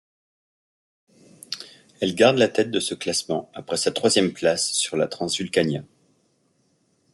Elle garde la tête de ce classement après sa troisième place sur la Transvulcania.